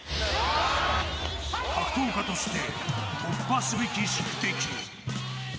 格闘家として突破すべき宿敵。